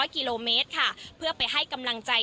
๒๐๐กิโลเมตรเพื่อไปให้กำลังใจ